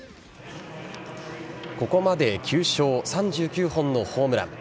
ここまで９勝３９本のホームラン。